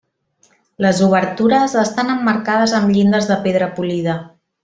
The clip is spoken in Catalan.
Les obertures estan emmarcades amb llindes de pedra polida.